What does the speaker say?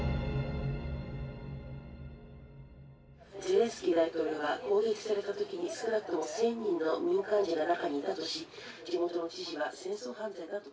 「ゼレンスキー大統領は攻撃された時に少なくとも１，０００人の民間人が中にいたとし地元の知事は戦争犯罪だと」。